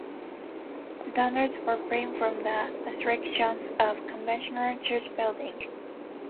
The donors were free from the restrictions of conventional church building.